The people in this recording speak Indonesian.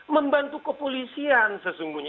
membantu kepolisian sesungguhnya